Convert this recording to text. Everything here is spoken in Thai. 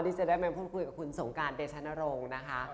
ที่จะได้มาพูดคุยกับคุณสงการเดชนรงค์นะคะ